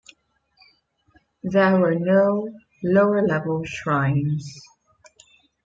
There were no lower-level shrines.